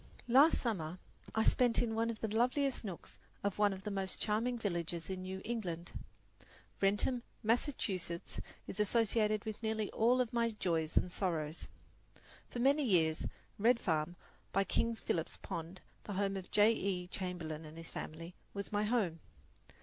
Last summer I spent in one of the loveliest nooks of one of the most charming villages in New England. Wrentham, Massachusetts, is associated with nearly all of my joys and sorrows. For many years Red Farm, by King Philip's Pond, the home of Mr. J. E. Chamberlin and his family, was my home.